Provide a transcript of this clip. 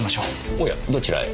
おやどちらへ？